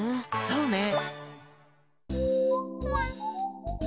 そうね。